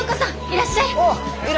いらっしゃい。